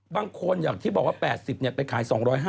บางคนอย่างที่บอกว่า๘๐ไปขาย๒๕๐